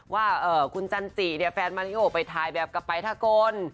ว่าคุณจันจิเนี่ยแฟนมาริโอไปถ่ายแบบกลับไปทะกล